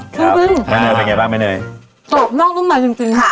จริงจริงไม่เหนื่อยเป็นไงบ้างไม่เหนื่อยสูบนอกนุ่มหน่อยจริงจริงค่ะอื้อ